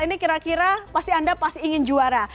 ini kira kira pasti anda pasti ingin juara